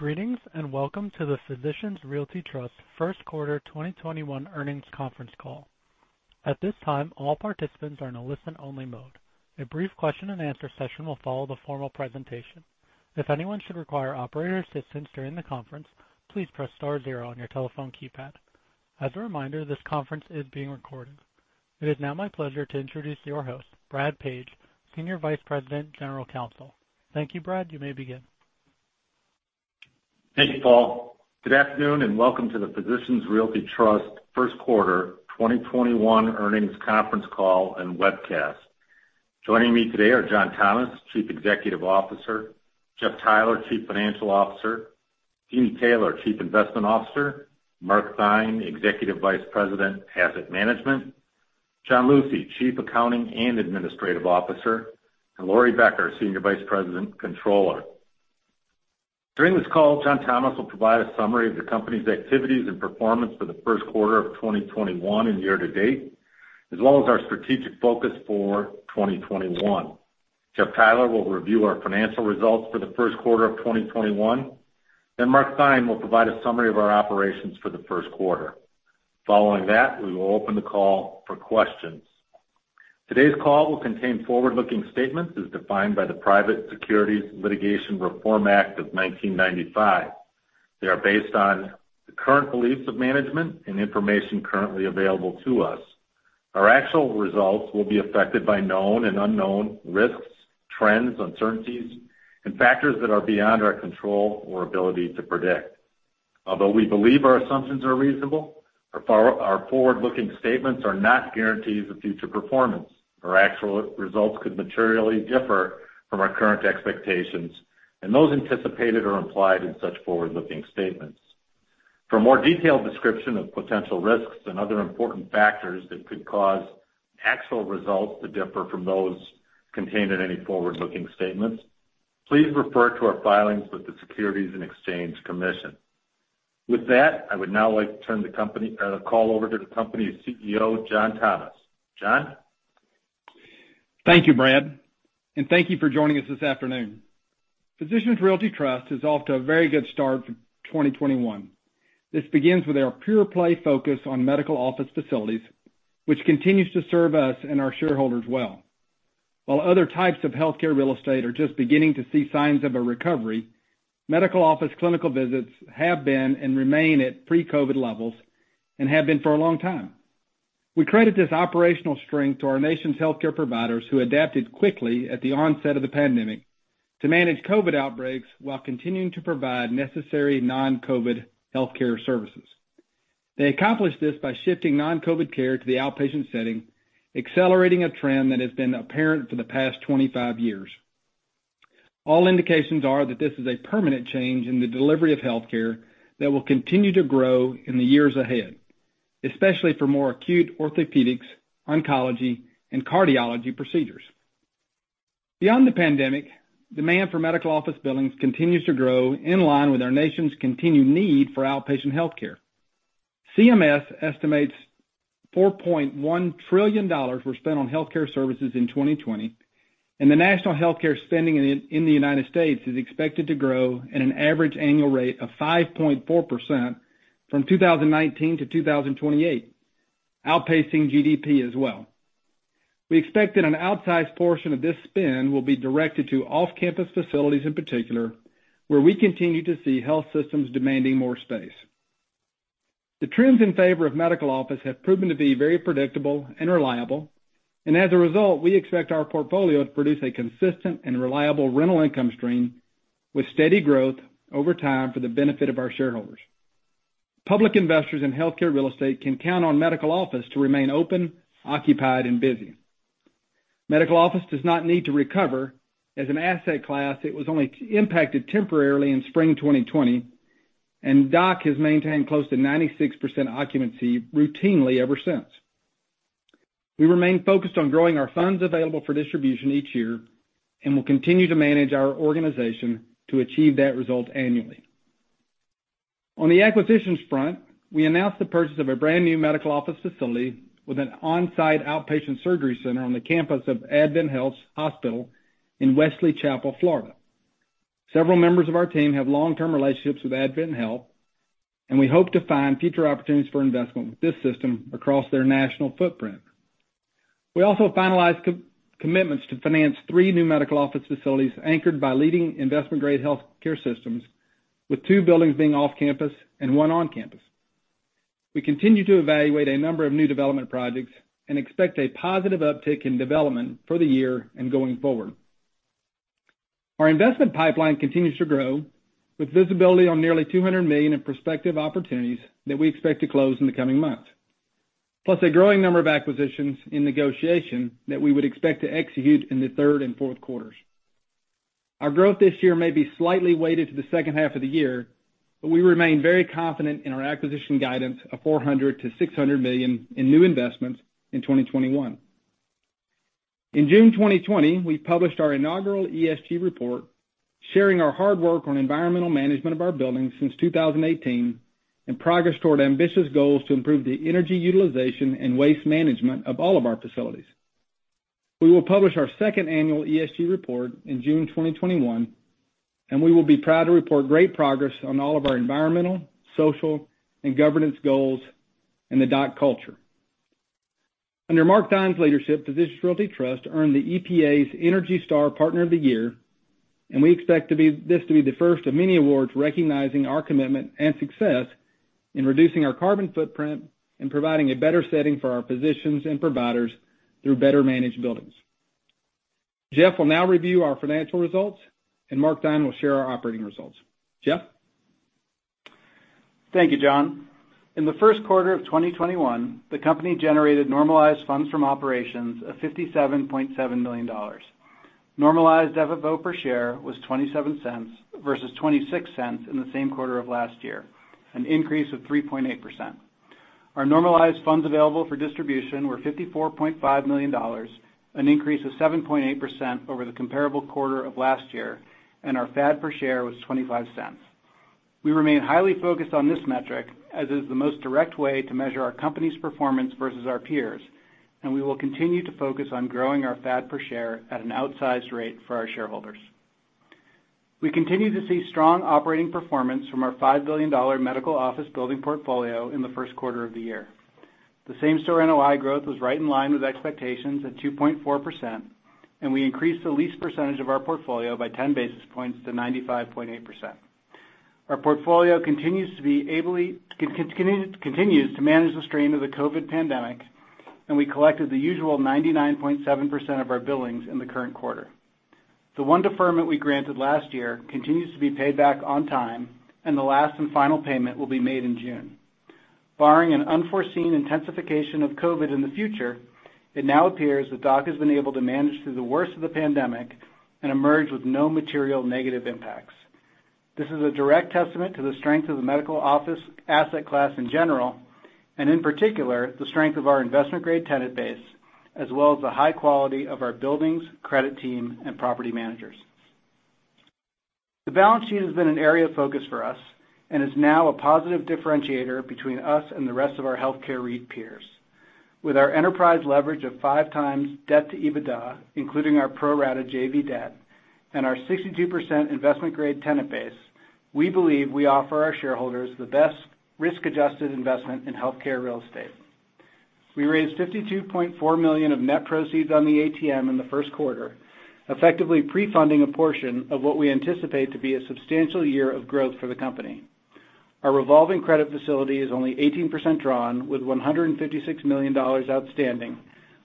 Greetings and welcome to the Physicians Realty Trust first quarter 2021 earnings conference call. At this time all participants are in an only listen mode. A brief question-and-answer session will follow the formal presentation. If anyone should require operator's assistance during the conference please press star zero on your telephone keypad. As a reminder this conference is being recorded. It is now my pleasure to introduce your host, Brad Page, Senior Vice President, General Counsel. Thank you. Brad, you may begin. Thank you, Paul. Good afternoon. Welcome to the Physicians Realty Trust first quarter 2021 earnings conference call and webcast. Joining me today are John Thomas, Chief Executive Officer, Jeff Theiler, Chief Financial Officer, Deeni Taylor, Chief Investment Officer, Mark Theine, Executive Vice President, Asset Management, John Lucey, Chief Accounting and Administrative Officer, and Laurie Becker, Senior Vice President, Controller. During this call, John Thomas will provide a summary of the company's activities and performance for the first quarter of 2021 and year-to-date, as well as our strategic focus for 2021. Jeff Theiler will review our financial results for the first quarter of 2021, then Mark Theine will provide a summary of our operations for the first quarter. Following that, we will open the call for questions. Today's call will contain forward-looking statements as defined by the Private Securities Litigation Reform Act of 1995. They are based on the current beliefs of management and information currently available to us. Our actual results will be affected by known and unknown risks, trends, uncertainties, and factors that are beyond our control or ability to predict. Although we believe our assumptions are reasonable, our forward-looking statements are not guarantees of future performance. Our actual results could materially differ from our current expectations and those anticipated or implied in such forward-looking statements. For more detailed description of potential risks and other important factors that could cause actual results to differ from those contained in any forward-looking statements, please refer to our filings with the Securities and Exchange Commission. With that, I would now like to turn the call over to the company's CEO, John Thomas. John? Thank you, Brad. Thank you for joining us this afternoon. Physicians Realty Trust is off to a very good start for 2021. This begins with our pure-play focus on medical office facilities, which continues to serve us and our shareholders well. While other types of healthcare real estate are just beginning to see signs of a recovery, medical office clinical visits have been and remain at pre-COVID levels and have been for a long time. We credit this operational strength to our nation's healthcare providers who adapted quickly at the onset of the pandemic to manage COVID outbreaks while continuing to provide necessary non-COVID healthcare services. They accomplished this by shifting non-COVID care to the outpatient setting, accelerating a trend that has been apparent for the past 25 years. All indications are that this is a permanent change in the delivery of healthcare that will continue to grow in the years ahead, especially for more acute orthopedics, oncology, and cardiology procedures. Beyond the pandemic, demand for medical office buildings continues to grow in line with our nation's continued need for outpatient healthcare. CMS estimates $4.1 trillion were spent on healthcare services in 2020, and the national healthcare spending in the United States is expected to grow at an average annual rate of 5.4% from 2019-2028, outpacing GDP as well. We expect that an outsized portion of this spend will be directed to off-campus facilities in particular, where we continue to see health systems demanding more space. The trends in favor of medical office have proven to be very predictable and reliable, and as a result, we expect our portfolio to produce a consistent and reliable rental income stream with steady growth over time for the benefit of our shareholders. Public investors in healthcare real estate can count on medical office to remain open, occupied, and busy. Medical office does not need to recover. As an asset class, it was only impacted temporarily in spring 2020, and DOC has maintained close to 96% occupancy routinely ever since. We remain focused on growing our funds available for distribution each year and will continue to manage our organization to achieve that result annually. On the acquisitions front, we announced the purchase of a brand-new medical office facility with an on-site outpatient surgery center on the campus of AdventHealth's hospital in Wesley Chapel, Florida. Several members of our team have long-term relationships with AdventHealth, and we hope to find future opportunities for investment with this system across their national footprint. We also finalized commitments to finance three new medical office facilities anchored by leading investment-grade healthcare systems, with two buildings being off-campus and one on-campus. We continue to evaluate a number of new development projects and expect a positive uptick in development for the year and going forward. Our investment pipeline continues to grow, with visibility on nearly $200 million in prospective opportunities that we expect to close in the coming months, plus a growing number of acquisitions in negotiation that we would expect to execute in the third and fourth quarters. Our growth this year may be slightly weighted to the second half of the year, but we remain very confident in our acquisition guidance of $400 million-$600 million in new investments in 2021. In June 2020, we published our inaugural ESG report, sharing our hard work on environmental management of our buildings since 2018 and progress toward ambitious goals to improve the energy utilization and waste management of all of our facilities. We will publish our second annual ESG report in June 2021, and we will be proud to report great progress on all of our environmental, social, and governance goals and the DOC culture. Under Mark Theine's leadership, Physicians Realty Trust earned the EPA's ENERGY STAR Partner of the Year, and we expect this to be the first of many awards recognizing our commitment and success in reducing our carbon footprint and providing a better setting for our physicians and providers through better managed buildings. Jeff will now review our financial results, and Mark Theine will share our operating results. Jeff? Thank you, John. In the first quarter of 2021, the company generated normalized funds from operations of $57.7 million. Normalized EBITDA per share was $0.27 versus $0.26 in the same quarter of last year, an increase of 3.8%. Our normalized funds available for distribution were $54.5 million, an increase of 7.8% over the comparable quarter of last year, and our FAD per share was $0.25. We remain highly focused on this metric, as is the most direct way to measure our company's performance versus our peers, and we will continue to focus on growing our FAD per share at an outsized rate for our shareholders. We continue to see strong operating performance from our $5 billion medical office building portfolio in the first quarter of the year. The same-store NOI growth was right in line with expectations at 2.4%, and we increased the lease % of our portfolio by 10 basis points to 95.8%. Our portfolio continues to manage the strain of the COVID pandemic, and we collected the usual 99.7% of our billings in the current quarter. The one deferment we granted last year continues to be paid back on time, and the last and final payment will be made in June. Barring an unforeseen intensification of COVID in the future, it now appears that DOC has been able to manage through the worst of the pandemic and emerge with no material negative impacts. This is a direct testament to the strength of the medical office asset class in general, and in particular, the strength of our investment-grade tenant base, as well as the high quality of our buildings, credit team, and property managers. The balance sheet has been an area of focus for us and is now a positive differentiator between us and the rest of our healthcare REIT peers. With our enterprise leverage of 5x debt to EBITDA, including our pro-rata JV debt and our 62% investment-grade tenant base, we believe we offer our shareholders the best risk-adjusted investment in healthcare real estate. We raised $52.4 million of net proceeds on the ATM in the first quarter, effectively pre-funding a portion of what we anticipate to be a substantial year of growth for the company. Our revolving credit facility is only 18% drawn, with $156 million outstanding,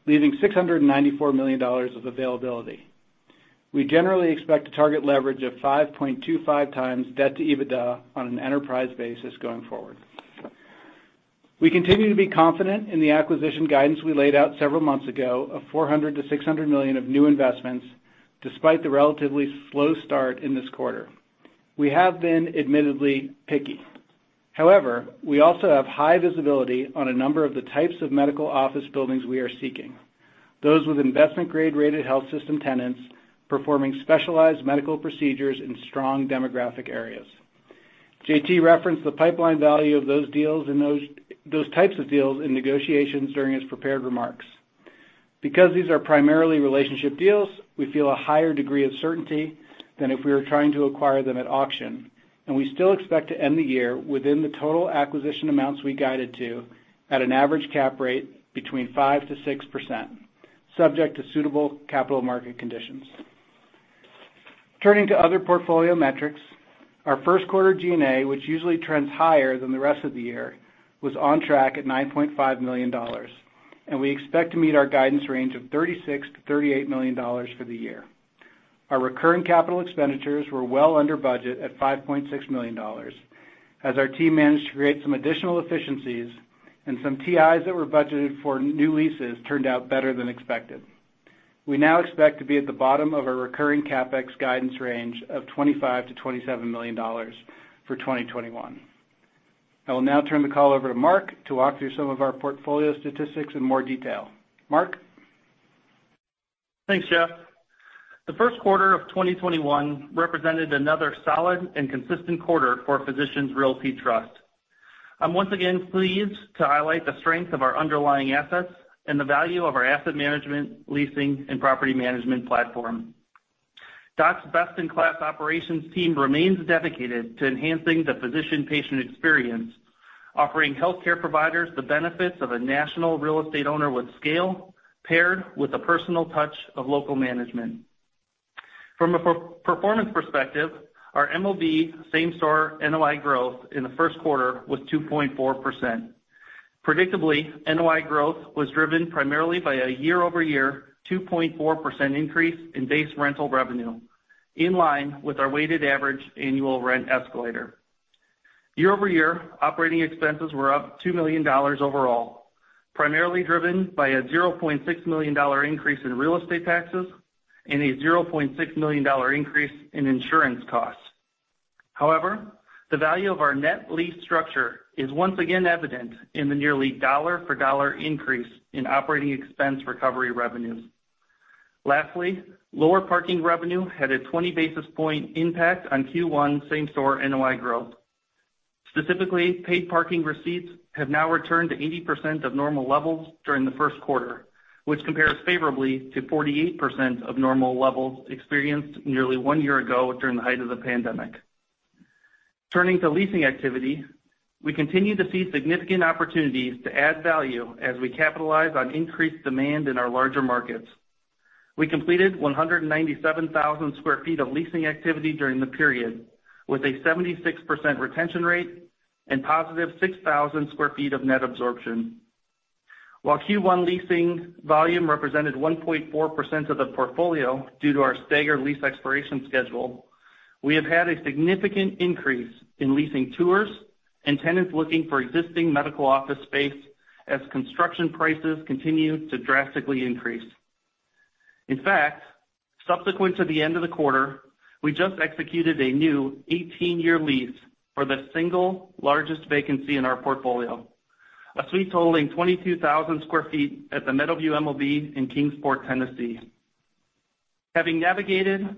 leaving $694 million of availability. We generally expect to target leverage of 5.25x debt to EBITDA on an enterprise basis going forward. We continue to be confident in the acquisition guidance we laid out several months ago of $400 million-$600 million of new investments, despite the relatively slow start in this quarter. We have been admittedly picky. However, we also have high visibility on a number of the types of medical office buildings we are seeking, those with investment grade-rated health system tenants performing specialized medical procedures in strong demographic areas. J.T. referenced the pipeline value of those types of deals in negotiations during his prepared remarks. Because these are primarily relationship deals, we feel a higher degree of certainty than if we were trying to acquire them at auction, and we still expect to end the year within the total acquisition amounts we guided to at an average cap rate between 5%-6%, subject to suitable capital market conditions. Turning to other portfolio metrics, our first quarter G&A, which usually trends higher than the rest of the year, was on track at $9.5 million, and we expect to meet our guidance range of $36 million-$38 million for the year. Our recurring capital expenditures were well under budget at $5.6 million as our team managed to create some additional efficiencies and some TIs that were budgeted for new leases turned out better than expected. We now expect to be at the bottom of our recurring CapEx guidance range of $25 million-$27 million for 2021. I will now turn the call over to Mark to walk through some of our portfolio statistics in more detail. Mark? Thanks, Jeff. The first quarter of 2021 represented another solid and consistent quarter for Physicians Realty Trust. I'm once again pleased to highlight the strength of our underlying assets and the value of our asset management, leasing, and property management platform. DOC's best-in-class operations team remains dedicated to enhancing the physician-patient experience, offering healthcare providers the benefits of a national real estate owner with scale, paired with the personal touch of local management. From a performance perspective, our MOB same-store NOI growth in the first quarter was 2.4%. Predictably, NOI growth was driven primarily by a year-over-year 2.4% increase in base rental revenue, in line with our weighted average annual rent escalator. Year-over-year, operating expenses were up $2 million overall, primarily driven by a $0.6 million increase in real estate taxes and a $0.6 million increase in insurance costs. However, the value of our net lease structure is once again evident in the nearly dollar-for-dollar increase in operating expense recovery revenues. Lastly, lower parking revenue had a 20 basis point impact on Q1 same-store NOI growth. Specifically, paid parking receipts have now returned to 80% of normal levels during the first quarter, which compares favorably to 48% of normal levels experienced nearly one year ago during the height of the pandemic. Turning to leasing activity, we continue to see significant opportunities to add value as we capitalize on increased demand in our larger markets. We completed 197,000 sq ft of leasing activity during the period, with a 76% retention rate and +6,000 sq ft of net absorption. While Q1 leasing volume represented 1.4% of the portfolio due to our staggered lease expiration schedule, we have had a significant increase in leasing tours and tenants looking for existing medical office space as construction prices continue to drastically increase. In fact, subsequent to the end of the quarter, we just executed a new 18-year lease for the single largest vacancy in our portfolio, a suite totaling 22,000 sq ft at the Meadowview MOB in Kingsport, Tennessee. Having navigated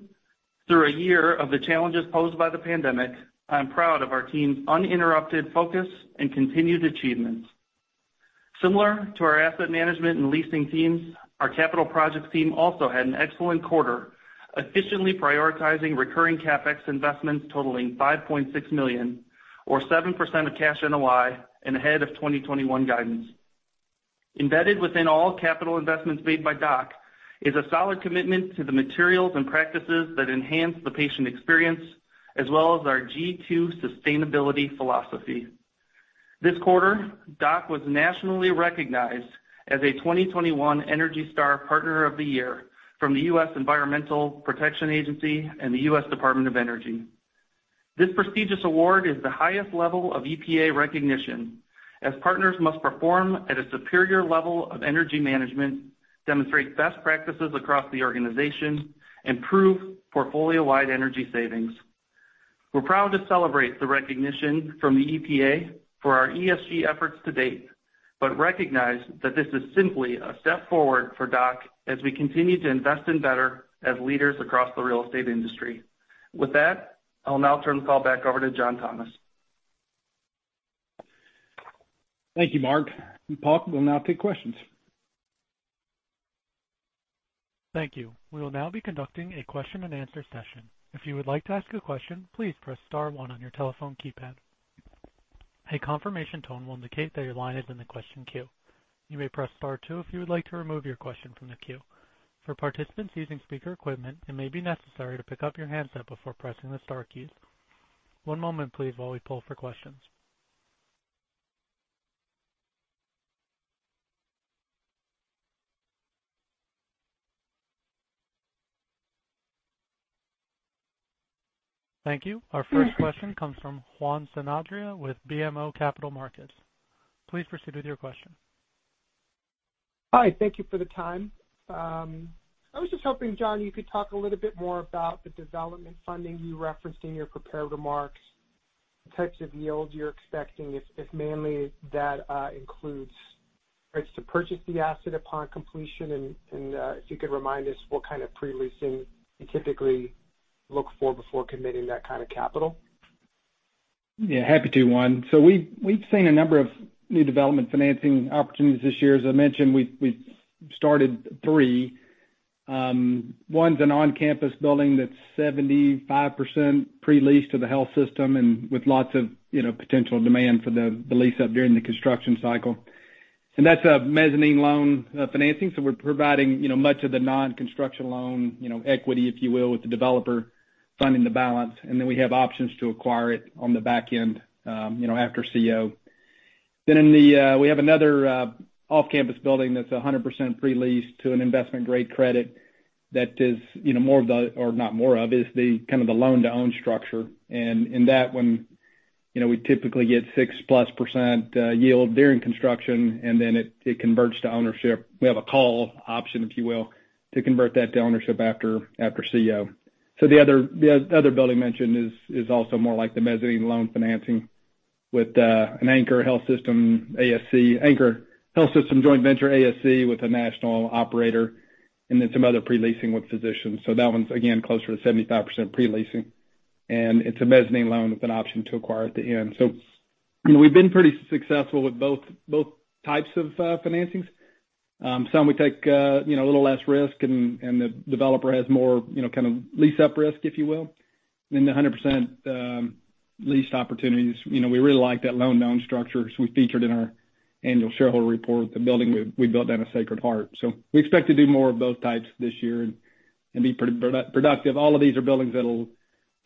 through a year of the challenges posed by the pandemic, I am proud of our team's uninterrupted focus and continued achievements. Similar to our asset management and leasing teams, our capital projects team also had an excellent quarter, efficiently prioritizing recurring CapEx investments totaling $5.6 million, or 7% of cash NOI and ahead of 2021 guidance. Embedded within all capital investments made by DOC is a solid commitment to the materials and practices that enhance the patient experience, as well as our G2 Sustainability philosophy. This quarter, DOC was nationally recognized as a 2021 ENERGY STAR Partner of the Year from the U.S. Environmental Protection Agency and the U.S. Department of Energy. This prestigious award is the highest level of EPA recognition, as partners must perform at a superior level of energy management, demonstrate best practices across the organization, and prove portfolio-wide energy savings. We're proud to celebrate the recognition from the EPA for our ESG efforts to date, but recognize that this is simply a step forward for DOC as we continue to Invest in better as leaders across the real estate industry. With that, I'll now turn the call back over to John Thomas. Thank you, Mark, Paul will now take questions. Thank you. We will now be conducting a question-and-answer session. If you would like to ask question please press star one on your telephone keypad. A confirmation tone will indicate that your line is in the question queue. You may press star two if you would like to remove your question from the question queue. For participants using speaker equipments, it may be necessary to pick your handset before pressing the star keys. One moment please while we poll for questions. Our first question comes from Juan Sanabria with BMO Capital Markets. Please proceed with your question. Hi. Thank you for the time. I was just hoping, John, you could talk a little bit more about the development funding you referenced in your prepared remarks, the types of yields you're expecting, if mainly that includes rights to purchase the asset upon completion and if you could remind us what kind of pre-leasing you typically look for before committing that kind of capital. Yeah, happy to, Juan Sanabria. We've seen a number of new development financing opportunities this year. As I mentioned, we've started three. One's an on-campus building that's 75% pre-leased to the health system and with lots of, you know, potential demand for the lease up during the construction cycle. That's a mezzanine loan financing. We're providing, you know, much of the non-construction loan, you know, equity, if you will, with the developer funding the balance. Then we have options to acquire it on the back end, you know, after CO. We have another off-campus building that's 100% pre-leased to an investment-grade credit that is, you know, the kind of the loan-to-own structure. In that one, you know, we typically get 6%+ yield during construction, and then it converts to ownership. We have a call option, if you will, to convert that to ownership after CO. The other building mentioned is also more like the mezzanine loan financing with an anchor health system, ASC anchor, health system joint venture ASC with a national operator, and then some other pre-leasing with physicians. That one's, again, closer to 75% pre-leasing. It's a mezzanine loan with an option to acquire at the end. You know, we've been pretty successful with both types of financings. Some we take, you know, a little less risk and the developer has more, you know, kind of lease-up risk, if you will. The 100% leased opportunities, you know, we really like that loan-to-own structure, so we featured in our annual shareholder report the building we built down at Sacred Heart. We expect to do more of both types this year and be pretty pro-productive. All of these are buildings that'll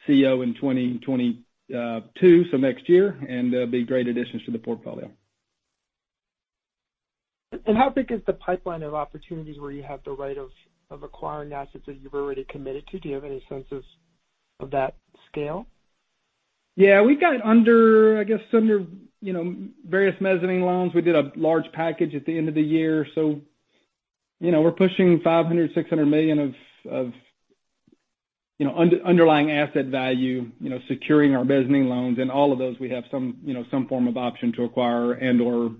CO in 2022, so next year, and they'll be great additions to the portfolio. How big is the pipeline of opportunities where you have the right of acquiring assets that you've already committed to? Do you have any senses of that scale? We've got under, you know, various mezzanine loans. We did a large package at the end of the year. You know, we're pushing $500 million-$600 million of, you know, underlying asset value, you know, securing our mezzanine loans, and all of those, we have some, you know, some form of option to acquire and/or,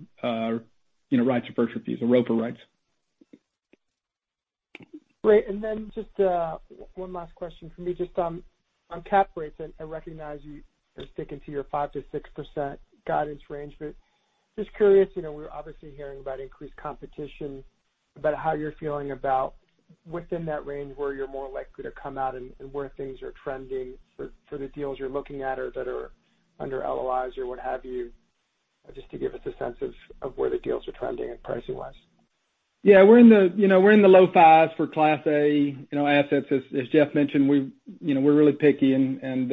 you know, right to purchase these, the ROFO rights. Great. Just one last question for me, just on cap rates. I recognize you are sticking to your 5%-6% guidance range, but just curious, we're obviously hearing about increased competition, about how you're feeling about within that range, where you're more likely to come out and where things are trending for the deals you're looking at or that are under LOIs or what have you, just to give us a sense of where the deals are trending and pricing-wise. Yeah. We're in the low fives for Class A assets. As Jeff mentioned, we're really picky on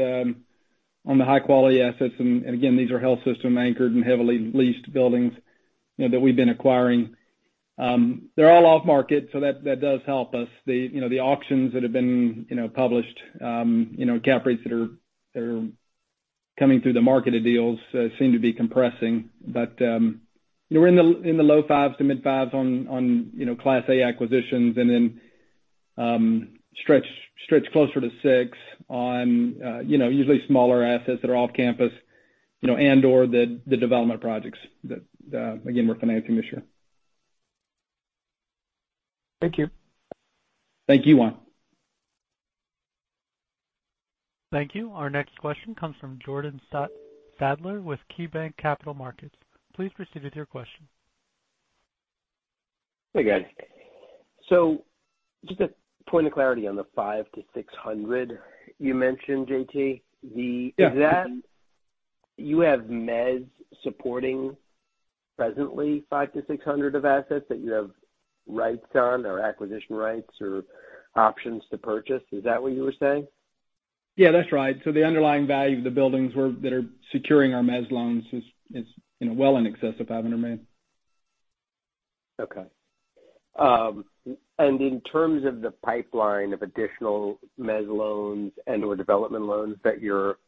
the high-quality assets, and again, these are health system-anchored and heavily leased buildings that we've been acquiring. They're all off-market, so that does help us. The auctions that have been published, Cap rates that are coming through the marketed deals seem to be compressing. We're in the low fives to mid-fives on Class A acquisitions and then stretch closer to six on usually smaller assets that are off-campus, and/or the development projects that, again, we're financing this year. Thank you. Thank you, Juan. Thank you. Our next question comes from Jordan Sadler with KeyBanc Capital Markets. Please proceed with your question. Hey, guys. Just a point of clarity on the $500 million-$600 million you mentioned, J.T.. Yeah. You have mezz supporting presently $500 million-$600 million of assets that you have rights on, or acquisition rights or options to purchase. Is that what you were saying? Yeah, that's right. The underlying value of the buildings that are securing our mezz loans is well in excess of $500 million of mezz. Okay. In terms of the pipeline of additional mezz loans and/or development loans that you're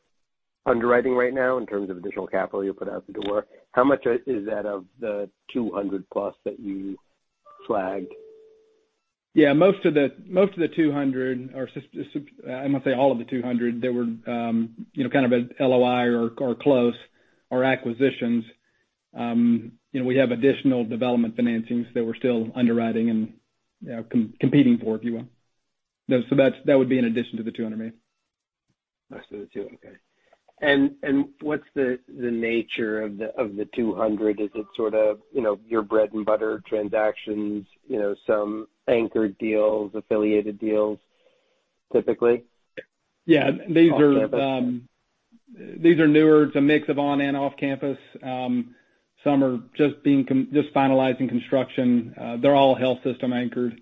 underwriting right now, in terms of additional capital you'll put out the door, how much is that of the $200 million+ that you flagged? Yeah, most of the $200 million, or I'm going to say all of the $200 million that were kind of an LOI or close or acquisitions. We have additional development financings that we're still underwriting and competing for, if you will. That would be in addition to the $200 million, man. Most of the $200 milllion. Okay. What's the nature of the $200 million? Is it sort of your bread-and-butter transactions, some anchored deals, affiliated deals, typically? Yeah. Off-campus These are newer. It's a mix of on and off campus. Some are just finalizing construction. They're all health system-anchored,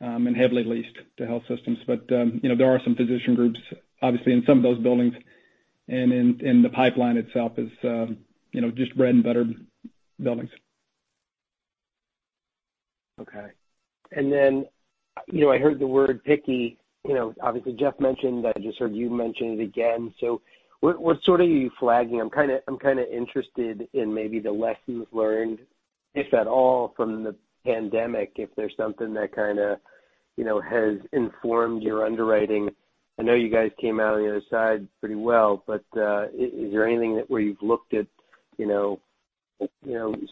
and heavily leased to health systems. There are some physician groups, obviously, in some of those buildings, and the pipeline itself is just bread-and-butter buildings. Okay. I heard the word picky. Obviously, Jeff mentioned, I just heard you mention it again. What sort are you flagging? I'm kind of interested in maybe the lessons learned, if at all, from the pandemic, if there's something that kind of has informed your underwriting. I know you guys came out the other side pretty well, but is there anything where you've looked at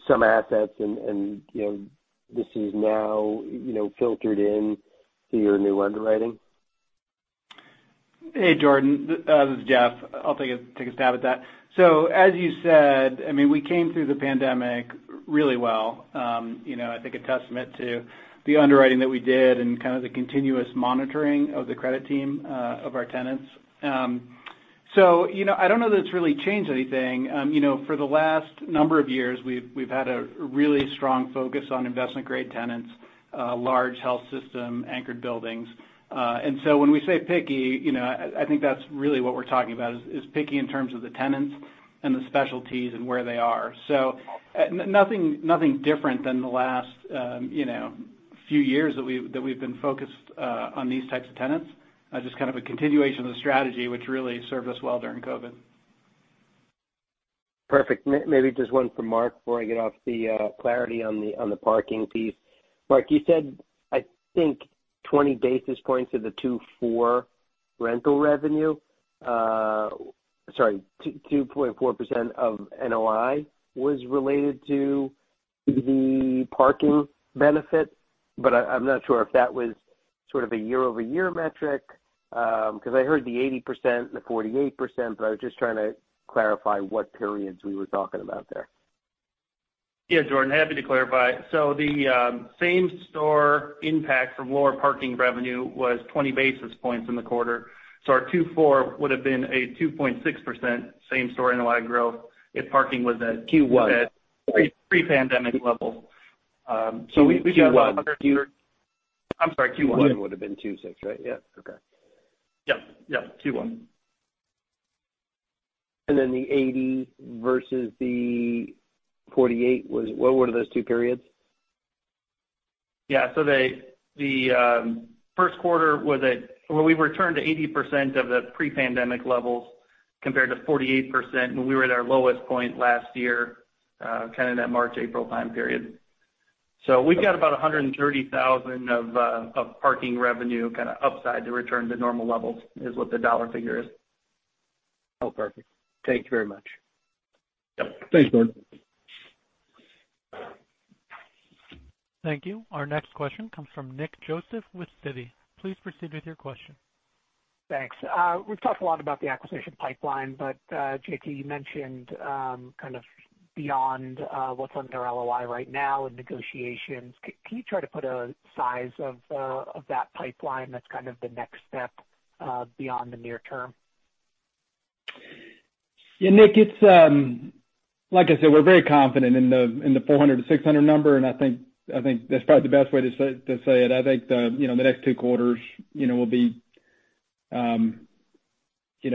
some assets and this is now filtered into your new underwriting? Hey, Jordan. This is Jeff. I'll take a stab at that. As you said, we came through the pandemic really well. I think a testament to the underwriting that we did and kind of the continuous monitoring of the credit team of our tenants. I don't know that it's really changed anything. For the last number of years, we've had a really strong focus on investment-grade tenants, large health system-anchored buildings. When we say picky, I think that's really what we're talking about is picky in terms of the tenants and the specialties and where they are. Nothing different than the last few years that we've been focused on these types of tenants. Just kind of a continuation of the strategy, which really served us well during COVID. Perfect. Maybe just one for Mark before I get off the clarity on the parking piece. Mark, you said, I think 20 basis points of the 2.4% rental revenue. Sorry, 2.4% of NOI was related to the parking benefit, but I'm not sure if that was sort of a year-over-year metric, because I heard the 80% and the 48%, but I was just trying to clarify what periods we were talking about there. Yeah, Jordan, happy to clarify. The same store impact from lower parking revenue was 20 basis points in the quarter. Our 2.4% would've been a 2.6% same store NOI growth if parking was. Q1 Pre-pandemic levels. Q1 I'm sorry, Q1. Q1 would've been 2.6%, right? Yeah. Okay. Yep. Q1. The 80% versus the 48%, what were those two periods? The first quarter where we returned to 80% of the pre-pandemic levels compared to 48% when we were at our lowest point last year, kind of that March, April time period. We got about $130,000 of parking revenue, kind of upside to return to normal levels is what the dollar figure is. Oh, perfect. Thank you very much. Yep. Thanks, Jordan. Thank you. Our next question comes from Nick Joseph with Citi. Please proceed with your question. Thanks. We've talked a lot about the acquisition pipeline, but J.T., you mentioned kind of beyond what's on their LOI right now and negotiations. Can you try to put a size of that pipeline that's kind of the next step beyond the near term? Yeah, Nick, like I said, we're very confident in the $400 million-$600 million number. I think that's probably the best way to say it. I think the next two quarters will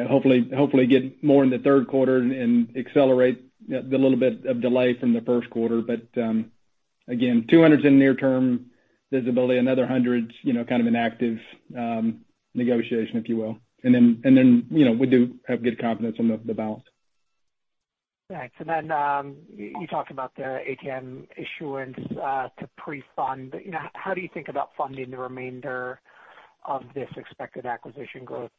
hopefully get more in the third quarter and accelerate the little bit of delay from the first quarter. Again, 200's in near-term visibility, another 100's kind of an active negotiation, if you will. We do have good confidence on the balance. Thanks. You talked about the ATM issuance to pre-fund. How do you think about funding the remainder of this expected acquisition growth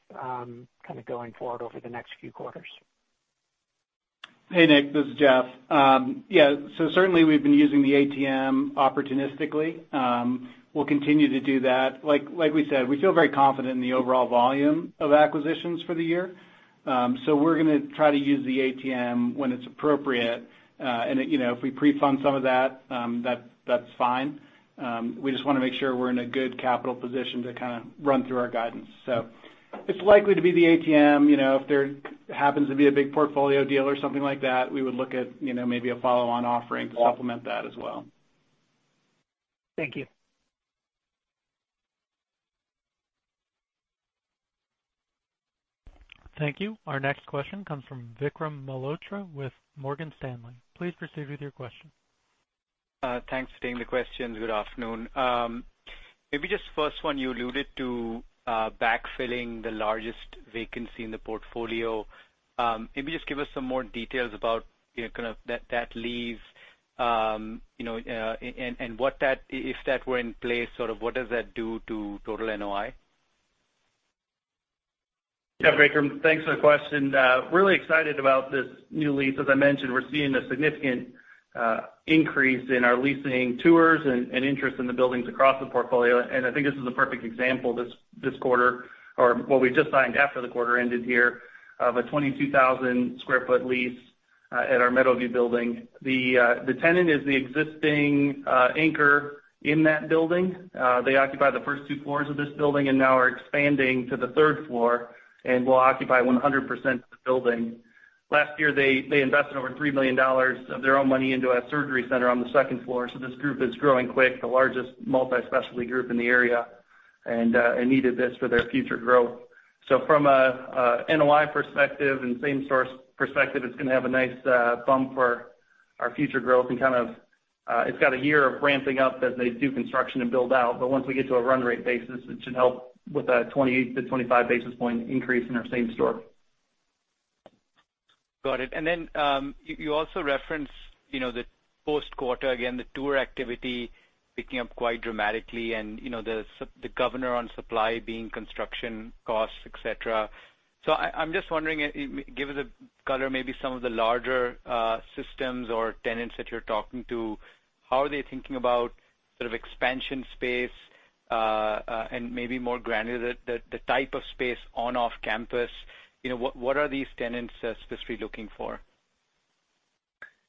going forward over the next few quarters? Hey, Nick, this is Jeff. Certainly we've been using the ATM opportunistically. We'll continue to do that. Like we said, we feel very confident in the overall volume of acquisitions for the year. We're going to try to use the ATM when it's appropriate. If we pre-fund some of that's fine. We just want to make sure we're in a good capital position to kind of run through our guidance. It's likely to be the ATM. If there happens to be a big portfolio deal or something like that, we would look at maybe a follow-on offering to supplement that as well. Thank you. Thank you. Our next question comes from Vikram Malhotra with Morgan Stanley. Please proceed with your question. Thanks for taking the questions. Good afternoon. Maybe just first one, you alluded to backfilling the largest vacancy in the portfolio. Maybe just give us some more details about kind of that lease, and if that were in place, sort of what does that do to total NOI? Yeah, Vikram. Thanks for the question. Really excited about this new lease. As I mentioned, we're seeing a significant increase in our leasing tours and interest in the buildings across the portfolio. I think this is a perfect example this quarter, or what we just signed after the quarter ended here, of a 22,000 sq ft lease at our Meadowview building. The tenant is the existing anchor in that building. They occupy the first two floors of this building and now are expanding to the third floor and will occupy 100% of the building. Last year, they invested over $3 million of their own money into a surgery center on the second floor. This group is growing quick, the largest multi-specialty group in the area, and needed this for their future growth. From a NOI perspective and same-store perspective, it's going to have a nice bump for our future growth, and kind of it's got a year of ramping up as they do construction and build out. Once we get to a run rate basis, it should help with a 20-25 basis point increase in our same store. Got it. You also referenced the post quarter, again, the tour activity picking up quite dramatically and the governor on supply being construction costs, et cetera. I'm just wondering, give us a color, maybe some of the larger systems or tenants that you're talking to, how are they thinking about sort of expansion space, and maybe more granular, the type of space on off-campus? What are these tenants specifically looking for?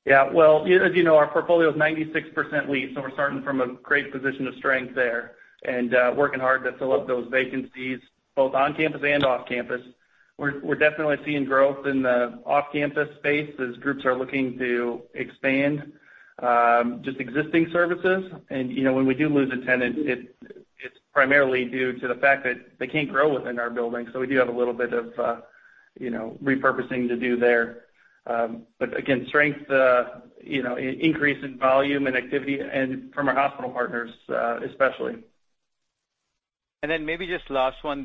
Yeah, well, as you know, our portfolio is 96% leased, so we're starting from a great position of strength there and working hard to fill up those vacancies, both on campus and off campus. We're definitely seeing growth in the off-campus space as groups are looking to expand just existing services. When we do lose a tenant, it's primarily due to the fact that they can't grow within our building, so we do have a little bit of repurposing to do there. Again, strength, increase in volume and activity, and from our hospital partners, especially. Maybe just last one,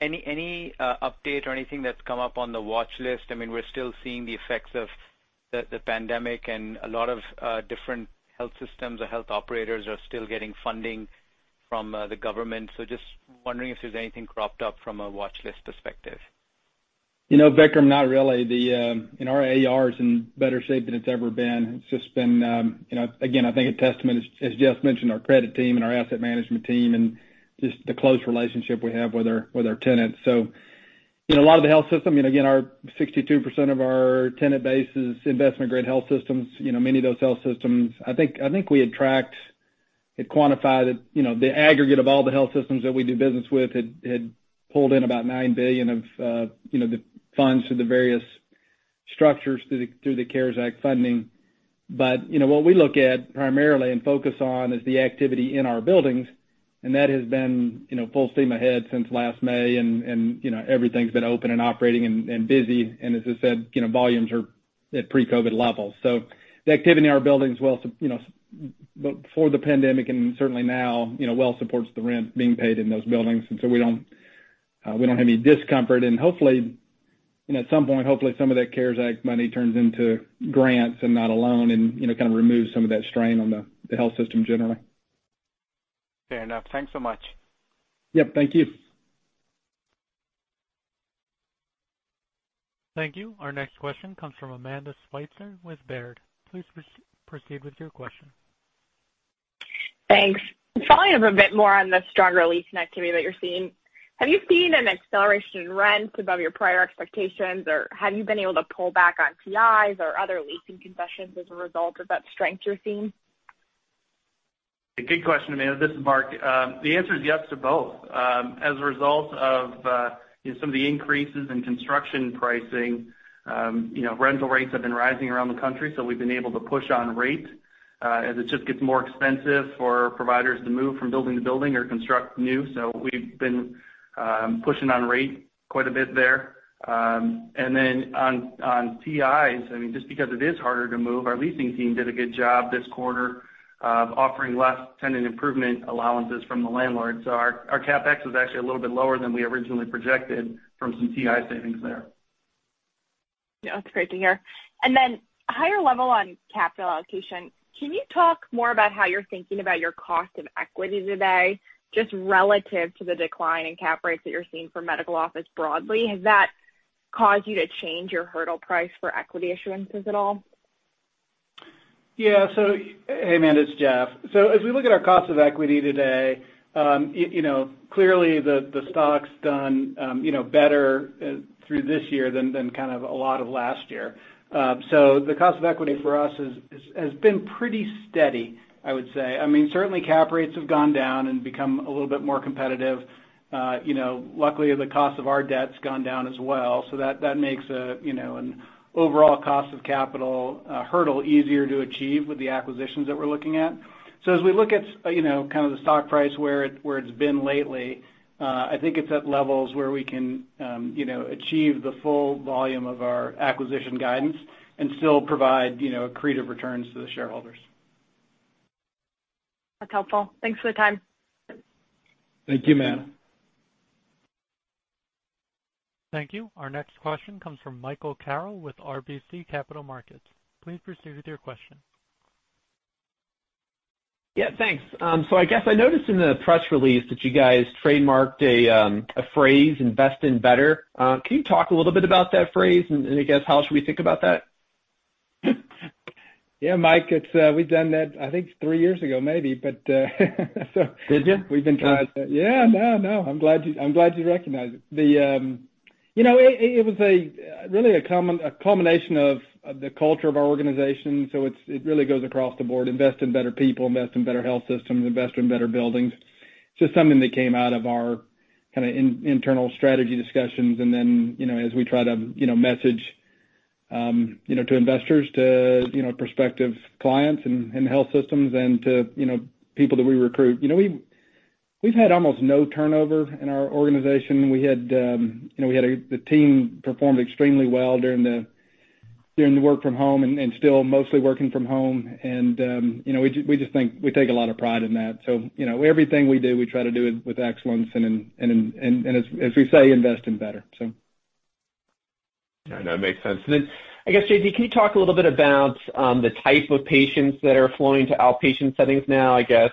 any update or anything that's come up on the watchlist? I mean, we're still seeing the effects of the pandemic, and a lot of different health systems or health operators are still getting funding from the government. Just wondering if there's anything cropped up from a watchlist perspective. Vikram, not really. Our AR is in better shape than it's ever been. It's just been, again, I think a testament, as Jeff mentioned, our credit team and our asset management team and just the close relationship we have with our tenants. A lot of the health system, again, our 62% of our tenant base is investment-grade health systems. Many of those health systems, I think we had tracked, had quantified the aggregate of all the health systems that we do business with had pulled in about $9 billion of the funds through the various structures through the CARES Act funding. What we look at primarily and focus on is the activity in our buildings, and that has been full steam ahead since last May, and everything's been open and operating and busy. As I said, volumes are at pre-COVID levels. The activity in our buildings before the pandemic and certainly now well supports the rent being paid in those buildings, and so we don't have any discomfort. Hopefully at some point, hopefully some of that CARES Act money turns into grants and not a loan and kind of removes some of that strain on the health system generally. Fair enough. Thanks so much. Yep. Thank you. Thank you. Our next question comes from Amanda Sweitzer with Baird. Please proceed with your question. Thanks. Following up a bit more on the stronger leasing activity that you're seeing, have you seen an acceleration in rent above your prior expectations, or have you been able to pull back on TIs or other leasing concessions as a result of that strength you're seeing? A good question, Amanda. This is Mark. The answer is yes to both. As a result of some of the increases in construction pricing, rental rates have been rising around the country, so we've been able to push on rate, as it just gets more expensive for providers to move from building to building or construct new. We've been pushing on rate quite a bit there. On TIs, just because it is harder to move, our leasing team did a good job this quarter of offering less tenant improvement allowances from the landlord. Our CapEx is actually a little bit lower than we originally projected from some TI savings there. That's great to hear. Then higher level on capital allocation, can you talk more about how you're thinking about your cost of equity today, just relative to the decline in cap rates that you're seeing for medical office broadly? Has that caused you to change your hurdle price for equity issuances at all? Yeah. Hey, Amanda, it's Jeff. As we look at our cost of equity today, clearly the stock's done better through this year than kind of a lot of last year. The cost of equity for us has been pretty steady, I would say. Certainly cap rates have gone down and become a little bit more competitive. Luckily, the cost of our debt's gone down as well, that makes an overall cost of capital hurdle easier to achieve with the acquisitions that we're looking at. As we look at kind of the stock price, where it's been lately, I think it's at levels where we can achieve the full volume of our acquisition guidance and still provide accretive returns to the shareholders. That's helpful. Thanks for the time. Thank you, Amanda. Thank you. Our next question comes from Michael Carroll with RBC Capital Markets. Please proceed with your question. Yeah, thanks. I guess I noticed in the press release that you guys trademarked a phrase, "Invest in better." Can you talk a little bit about that phrase, and I guess how should we think about that? Yeah, Mike, we've done that, I think three years ago, maybe. Did you? Yeah. No, I'm glad you recognize it. It was really a culmination of the culture of our organization, so it really goes across the board. Invest in better people, invest in better health systems, invest in better buildings. It's just something that came out of our kind of internal strategy discussions, and then as we try to message to investors, to prospective clients and health systems, and to people that we recruit. We've had almost no turnover in our organization. The team performed extremely well during the work from home, and still mostly working from home, and we take a lot of pride in that. Everything we do, we try to do it with excellence and as we say, "Invest in better". No, it makes sense. I guess, J.T., can you talk a little bit about the type of patients that are flowing to outpatient settings now, I guess,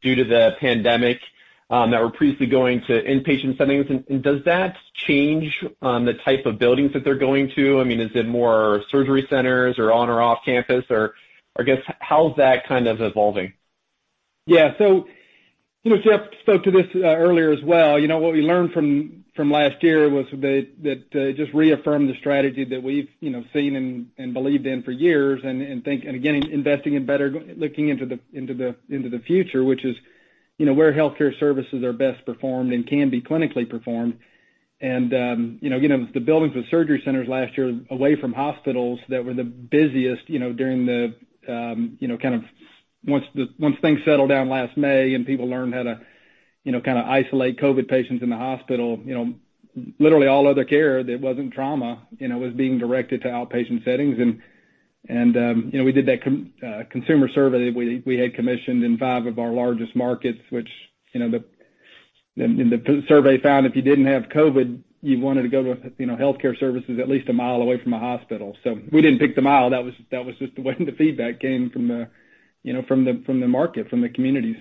due to the pandemic, that were previously going to inpatient settings, and does that change the type of buildings that they're going to? Is it more surgery centers or on or off campus, or I guess, how's that kind of evolving? Yeah. Jeff spoke to this earlier as well. What we learned from last year was that just reaffirmed the strategy that we've seen and believed in for years, and again, Invest in better, looking into the future, which is where healthcare services are best performed and can be clinically performed. The buildings with surgery centers last year away from hospitals that were the busiest during the. Once things settled down last May and people learned how to isolate COVID patients in the hospital, literally all other care that wasn't trauma was being directed to outpatient settings. We did that consumer survey that we had commissioned in five of our largest markets, which in the survey found if you didn't have COVID, you wanted to go to healthcare services at least a mile away from a hospital. We didn't pick the mile, that was just the way the feedback came from the market, from the communities.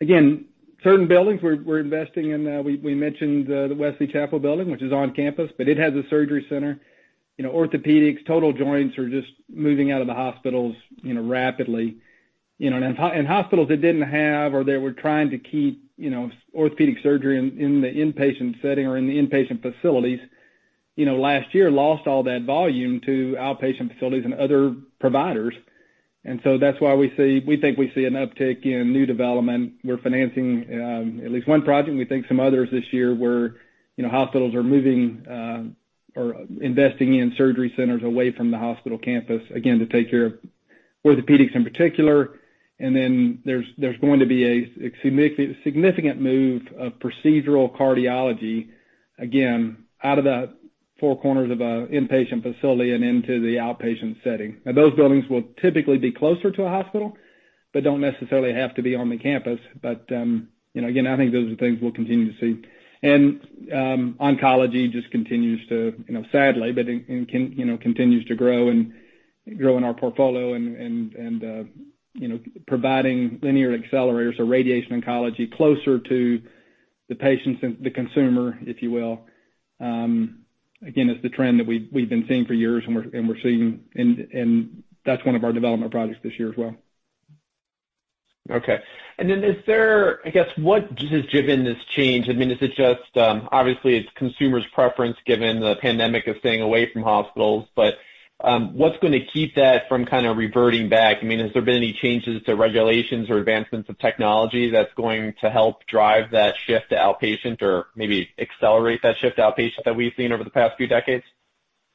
Again, certain buildings we're investing in. We mentioned the Wesley Chapel building, which is on campus, but it has a surgery center. Orthopedics, total joints are just moving out of the hospitals rapidly. Hospitals that didn't have, or they were trying to keep orthopedic surgery in the inpatient setting or in the inpatient facilities, last year lost all that volume to outpatient facilities and other providers. That's why we think we see an uptick in new development. We're financing at least one project, and we think some others this year, where hospitals are moving or investing in surgery centers away from the hospital campus, again, to take care of orthopedics in particular. There's going to be a significant move of procedural cardiology, again, out of the four corners of an inpatient facility and into the outpatient setting. Now, those buildings will typically be closer to a hospital, but don't necessarily have to be on the campus. Again, I think those are things we'll continue to see. Oncology just continues to, sadly, but continues to grow in our portfolio and providing linear accelerators or radiation oncology closer to the patients and the consumer, if you will. It's the trend that we've been seeing for years, and we're seeing, and that's one of our development projects this year as well. I guess, what has driven this change? Is it just, obviously, it's consumer's preference, given the pandemic of staying away from hospitals? What's going to keep that from kind of reverting back? Has there been any changes to regulations or advancements of technology that's going to help drive that shift to outpatient or maybe accelerate that shift to outpatient that we've seen over the past few decades?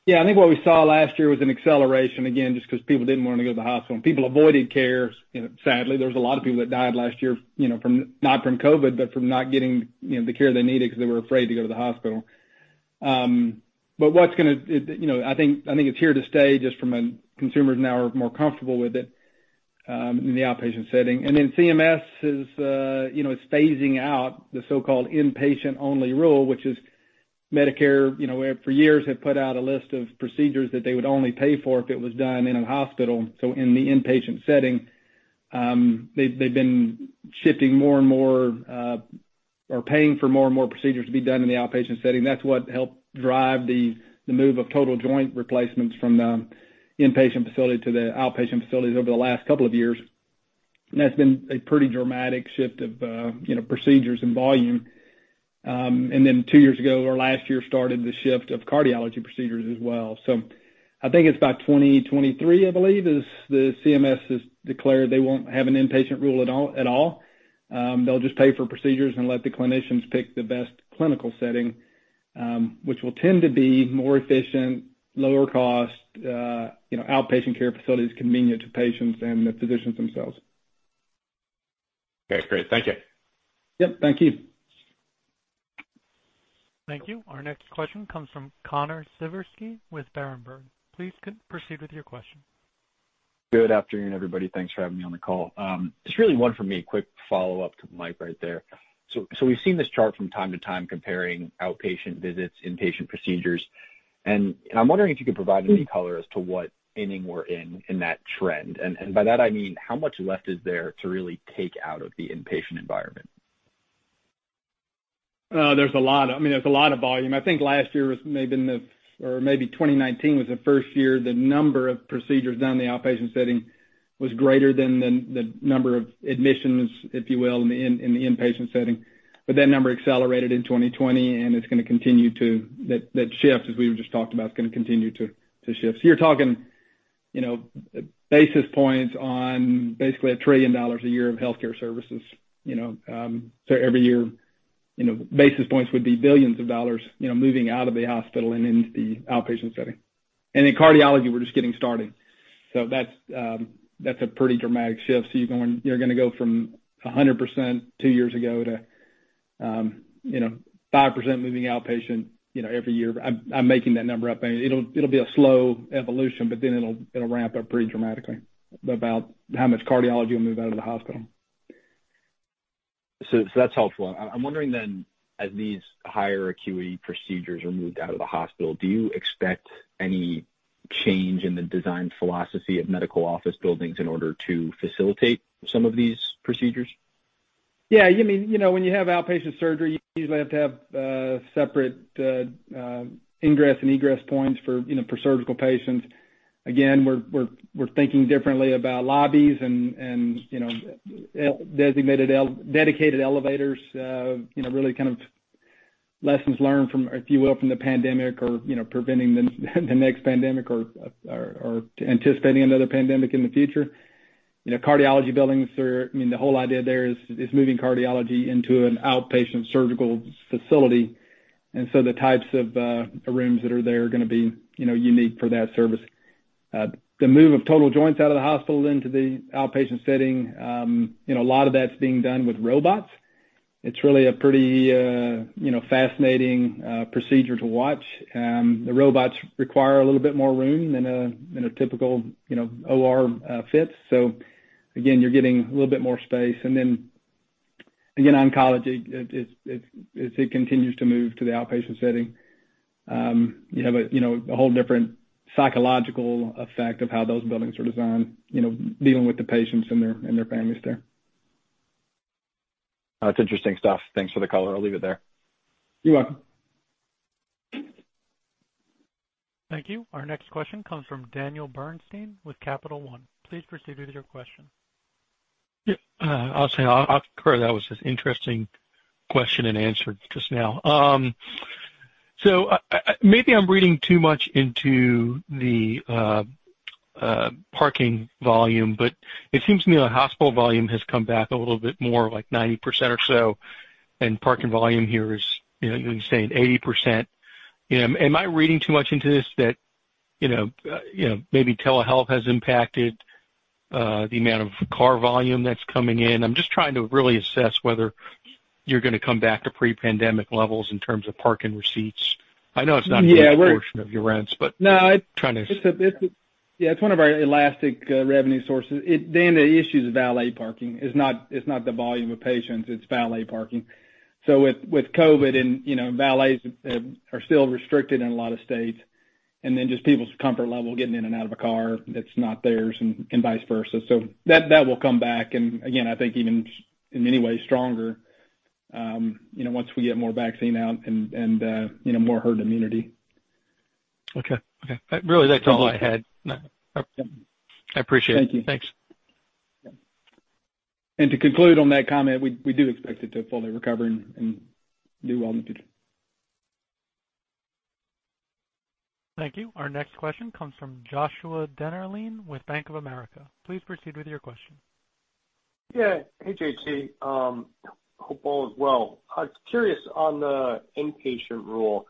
Yeah. I think what we saw last year was an acceleration, again, just because people didn't want to go to the hospital, and people avoided care. Sadly, there was a lot of people that died last year, not from COVID, but from not getting the care they needed because they were afraid to go to the hospital. I think it's here to stay, just from a consumers now are more comfortable with it in the outpatient setting. CMS is phasing out the so-called inpatient-only rule, which is Medicare, where for years have put out a list of procedures that they would only pay for if it was done in a hospital, so in the inpatient setting. They've been shifting more and more, or paying for more and more procedures to be done in the outpatient setting. That's what helped drive the move of total joint replacements from the inpatient facility to the outpatient facilities over the last couple of years. That's been a pretty dramatic shift of procedures and volume. Two years ago, or last year, started the shift of cardiology procedures as well. I think it's by 2023, I believe, is the CMS has declared they won't have an inpatient rule at all. They'll just pay for procedures and let the clinicians pick the best clinical setting, which will tend to be more efficient, lower cost, outpatient care facilities convenient to patients and the physicians themselves. Okay, great. Thank you. Yep, thank you. Thank you. Our next question comes from Connor Siversky with `Berenberg. Please proceed with your question. Good afternoon, everybody. Thanks for having me on the call. It's really one for me. A quick follow-up to Mike right there. We've seen this chart from time to time comparing outpatient visits, inpatient procedures, and I'm wondering if you could provide any color as to what inning we're in in that trend. By that I mean, how much less is there to really take out of the inpatient environment? There's a lot of volume. I think last year, or maybe 2019 was the first year the number of procedures done in the outpatient setting was greater than the number of admissions, if you will, in the inpatient setting. That number accelerated in 2020, and it's going to continue to. That shift, as we just talked about, is going to continue to shift. You're talking basis points on basically $1 trillion a year of healthcare services. Every year, basis points would be billions of dollars, moving out of the hospital and into the outpatient setting. In cardiology, we're just getting started. That's a pretty dramatic shift. You're going to go from 100% two years ago to 5% moving outpatient every year. I'm making that number up, and it'll be a slow evolution, but then it'll ramp up pretty dramatically about how much cardiology will move out of the hospital. That's helpful. I'm wondering, as these higher acuity procedures are moved out of the hospital, do you expect any change in the design philosophy of medical office buildings in order to facilitate some of these procedures? When you have outpatient surgery, you usually have to have separate ingress and egress points for surgical patients. Again, we're thinking differently about lobbies and dedicated elevators. Really kind of lessons learned, if you will, from the pandemic or preventing the next pandemic, or anticipating another pandemic in the future. Cardiology buildings are, the whole idea there is moving cardiology into an outpatient surgical facility. The types of rooms that are there are going to be unique for that service. The move of total joints out of the hospital into the outpatient setting, a lot of that's being done with robots. It's really a pretty fascinating procedure to watch. The robots require a little bit more room than a typical OR fits. Again, you're getting a little bit more space. Then again, oncology, as it continues to move to the outpatient setting, you have a whole different psychological effect of how those buildings are designed, dealing with the patients and their families there. It's interesting stuff. Thanks for the color. I'll leave it there. You're welcome. Thank you. Our next question comes from Daniel Bernstein with Capital One. Please proceed with your question. Yeah. I'll say, that was an interesting question and answer just now. Maybe I'm reading too much into the parking volume, but it seems to me the hospital volume has come back a little bit more, like 90% or so, and parking volume here is, you're saying 80%. Am I reading too much into this that maybe telehealth has impacted the amount of car volume that's coming in? I'm just trying to really assess whether you're going to come back to pre-pandemic levels in terms of parking receipts. Yeah, it's one of our elastic revenue sources. Dan, the issue is valet parking. It's not the volume of patients, it's valet parking. With COVID, valets are still restricted in a lot of states. Just people's comfort level getting in and out of a car that's not theirs and vice versa. That will come back and again, I think even in many ways stronger once we get more vaccine out and more herd immunity. Okay. Really, that's all I had. Yeah. I appreciate it. Thank you. Thanks. To conclude on that comment, we do expect it to fully recover and do well in the future. Thank you. Our next question comes from Joshua Dennerlein with Bank of America. Please proceed with your question. Hey, J.T.. Hope all is well. I was curious on the inpatient rule.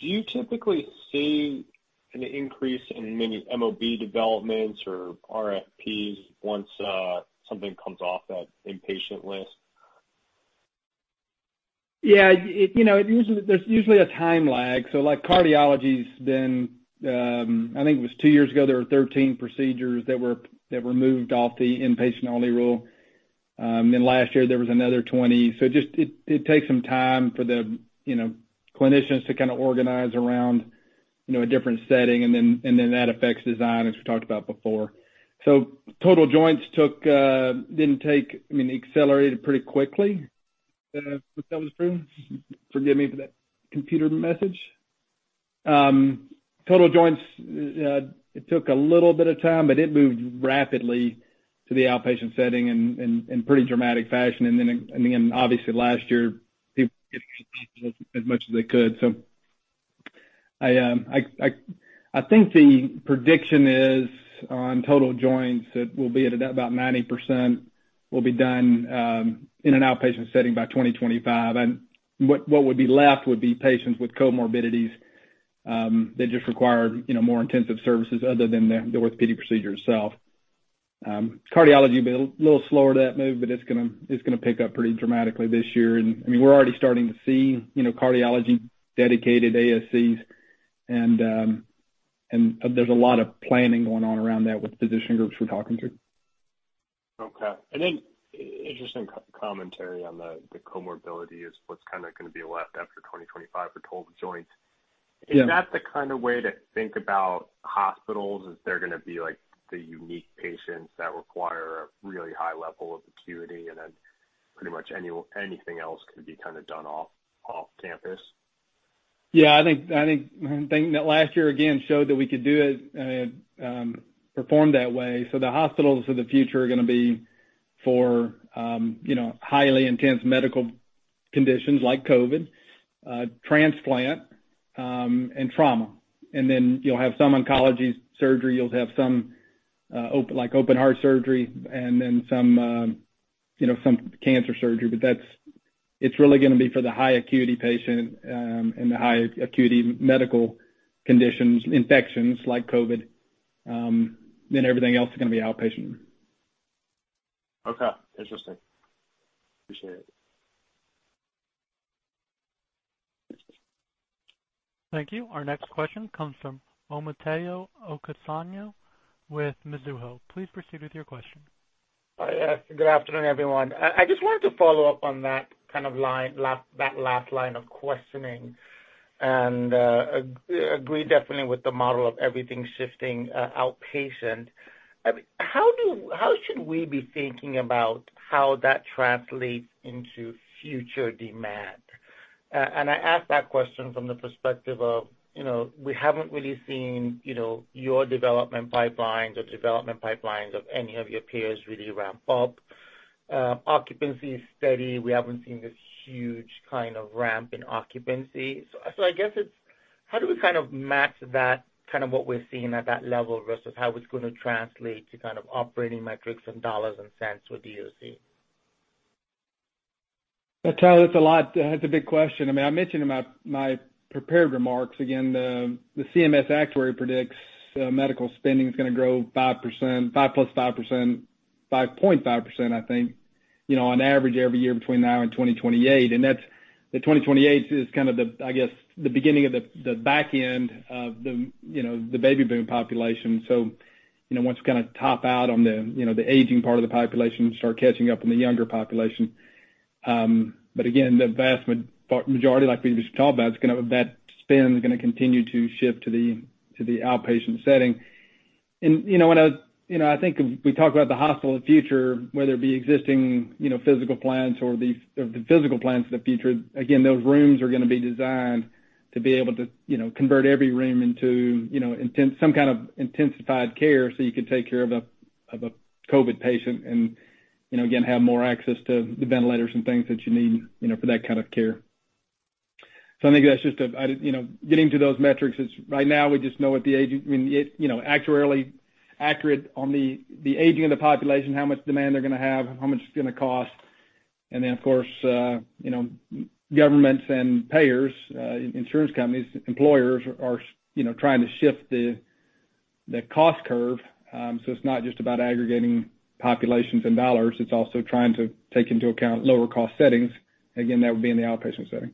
Do you typically see an increase in many MOB developments or RFPs once something comes off that inpatient list? Yeah. There's usually a time lag. Like cardiology's been, I think it was two years ago, there were 13 procedures that were moved off the inpatient-only rule. Last year, there was another 20. It takes some time for the clinicians to organize around a different setting, and then that affects design, as we talked about before. Total joints accelerated pretty quickly. That was true. Total joints, it took a little bit of time, but it moved rapidly to the outpatient setting in pretty dramatic fashion. Obviously, last year, people as much as they could. I think the prediction is on total joints, it will be at about 90%, will be done in an outpatient setting by 2025. What would be left would be patients with comorbidities that just require more intensive services other than the orthopedic procedure itself. Cardiology will be a little slower to that move, but it's going to pick up pretty dramatically this year. We're already starting to see cardiology-dedicated ASCs, and there's a lot of planning going on around that with the physician groups we're talking to. Okay. Interesting commentary on the comorbidity is what's going to be left after 2025 for total joints. Yeah. Is that the kind of way to think about hospitals, is there going to be like the unique patients that require a really high level of acuity and then pretty much anything else can be done off-campus? Yeah, I think that last year again showed that we could do it and perform that way. The hospitals of the future are going to be for highly intense medical conditions like COVID, transplant, and trauma. Then you'll have some oncology surgery, you'll have some open heart surgery, and then some cancer surgery. It's really going to be for the high acuity patient and the high acuity medical conditions, infections like COVID. Everything else is going to be outpatient. Okay. Interesting. Appreciate it. Thank you. Our next question comes from Omotayo Okusanya with Mizuho. Please proceed with your question. Good afternoon, everyone. I just wanted to follow up on that last line of questioning and agree definitely with the model of everything shifting outpatient. How should we be thinking about how that translates into future demand? I ask that question from the perspective of, we haven't really seen your development pipelines or development pipelines of any of your peers really ramp up. Occupancy is steady. We haven't seen this huge kind of ramp in occupancy. I guess it's how do we kind of match that, kind of what we're seeing at that level versus how it's going to translate to kind of operating metrics and dollars and cents with DOC? That's a big question. I mentioned in my prepared remarks, again, the CMS actuary predicts medical spending is going to grow 5%, 5%+5%, 5.5%, I think, on average every year between now and 2028. The 2028 is kind of, I guess, the beginning of the back end of the baby boom population. Once we kind of top out on the aging part of the population, start catching up in the younger population. Again, the vast majority, like we just talked about, that spend is going to continue to shift to the outpatient setting. I think we talk about the hospital of the future, whether it be existing physical plants or the physical plants of the future. Again, those rooms are going to be designed to be able to convert every room into some kind of intensified care, so you can take care of a COVID patient and, again, have more access to the ventilators and things that you need for that kind of care. I think getting to those metrics is, right now we just know actuarially accurate on the aging of the population, how much demand they're going to have, how much it's going to cost. Of course, governments and payers, insurance companies, employers are trying to shift the cost curve. It's not just about aggregating populations and dollars, it's also trying to take into account lower cost settings. Again, that would be in the outpatient setting.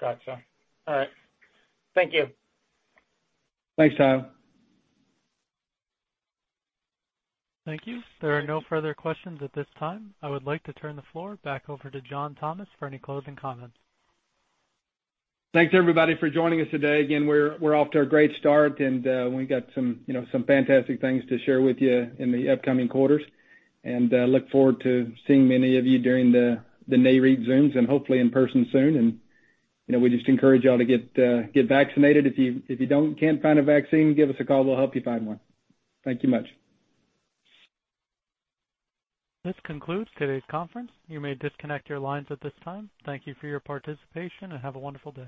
Gotcha. All right. Thank you. Thanks, Tayo. Thank you. There are no further questions at this time. I would like to turn the floor back over to John Thomas for any closing comments. Thanks, everybody, for joining us today. Again, we're off to a great start. We've got some fantastic things to share with you in the upcoming quarters. Look forward to seeing many of you during the Nareit Zooms and hopefully in person soon. We just encourage you all to get vaccinated. If you can't find a vaccine, give us a call. We'll help you find one. Thank you much. This concludes today's conference. You may disconnect your lines at this time. Thank you for your participation, and have a wonderful day.